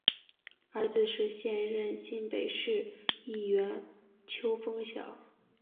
儿子是现任新北市议员邱烽尧。